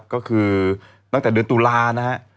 ก็คือตั้งแต่เดือนตุลานะฮะ